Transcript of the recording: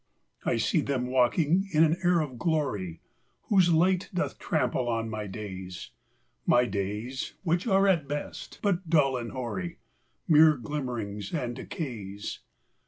I see them walking in an air of glory, Whose light doth trample on my days; My days, which are at best but dull and hoary. Mere glimmering and decays.